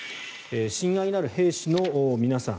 親愛なる兵士の皆さん